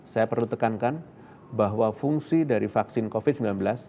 saya perlu tekankan bahwa fungsi dari vaksin covid sembilan belas